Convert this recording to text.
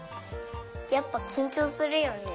やっぱきんちょうするよね。